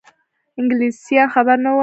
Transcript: انګلیسیان خبر نه وه.